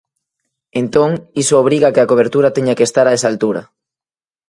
Entón, iso obriga a que a cobertura teña que estar a esa altura.